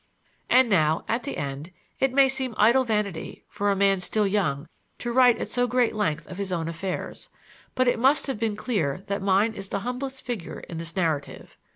And now, at the end, it may seem idle vanity for a man still young to write at so great length of his own affairs; but it must have been clear that mine is the humblest figure in this narrative.